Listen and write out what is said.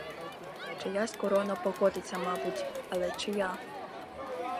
Чиясь корона покотиться, мабуть, але чия?